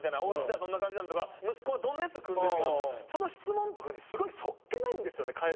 「おうちではどんな感じなの？」とか息子はどんなヤツと組んでるんやその質問とかにすごい素っ気ないんですよね